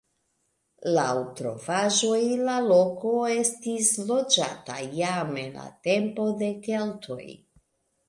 Laŭ trovaĵoj la loko estis loĝata jam en la tempo de keltoj.